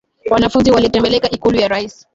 Wanafunzi walitembelea ikulu ya rais